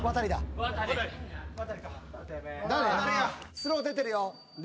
スロー出てるよ。